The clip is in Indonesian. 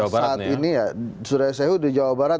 saat ini ya suraya sehu di jawa barat